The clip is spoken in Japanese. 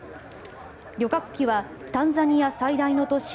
旅客機はタンザニア最大の都市